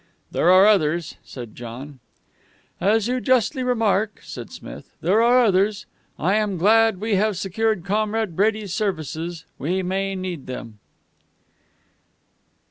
"There are others," said John. "As you justly remark," said Smith, "there are others. I am glad we have secured Comrade Brady's services. We may need them."